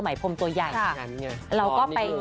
ใหม่พรมตัวใหญ่เราก็ไป